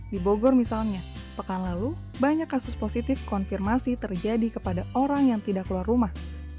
di bogor misalnya pekan lalu banyak kasus positif konfirmasi terjadi kepada orang yang tidak keluar rumah